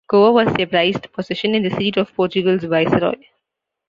Goa was their prized possession and the seat of Portugal's viceroy.